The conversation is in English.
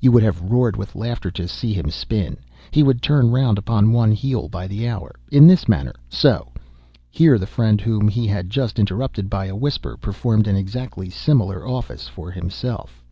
You would have roared with laughter to see him spin. He would turn round upon one heel by the hour, in this manner—so—" Here the friend whom he had just interrupted by a whisper, performed an exactly similar office for himself.